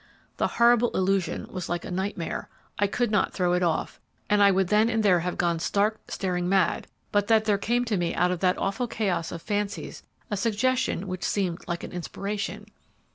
The horrible illusion was like a nightmare; I could not throw it off, and I would then and there have gone stark, staring mad, but that there came to me out of that awful chaos of fancies a suggestion which seemed like an inspiration.